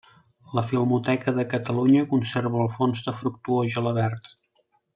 La Filmoteca de Catalunya conserva el fons de Fructuós Gelabert.